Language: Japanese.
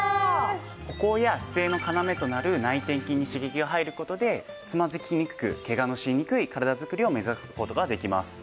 歩行や姿勢の要となる内転筋に刺激が入る事でつまずきにくくケガのしにくい体づくりを目指す事ができます。